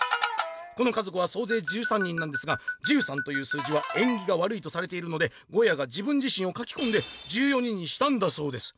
この家族はそうぜい１３人なんですが１３という数字は縁起が悪いとされているのでゴヤが自分自しんを描きこんで１４人にしたんだそうです」。